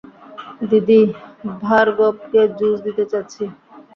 দিদি, ভার্গবকে জুস দিতে চাচ্ছি।